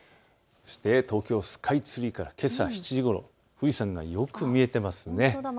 東京スカイツリーから、けさ７時ごろ富士山がよく見えています。